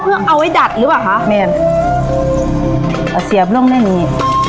อ๋อเพื่อเอาไว้ดัดหรือเปล่าคะเมนเอาเสียบลงได้อย่างงี้